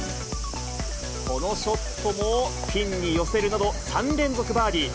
このショットもピンに寄せるなど、３連続バーディー。